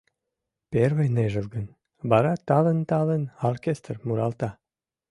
Первый ныжылгын, вара талын-талын оркестр муралта.